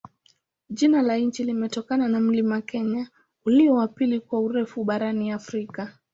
Jina la nchi limetokana na mlima Kenya, ulio wa pili kwa urefu barani Afrika.